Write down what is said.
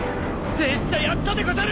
拙者やったでござる！